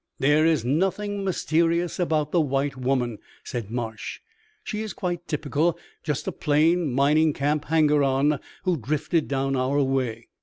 "There is nothing mysterious about the white woman," said Marsh. "She is quite typical just a plain mining camp hanger on who drifted down our way."